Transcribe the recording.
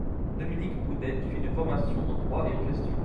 Dominique Boudet suit une formation en droit et en gestion.